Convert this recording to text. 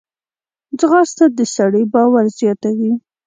ځغاسته د سړي باور زیاتوي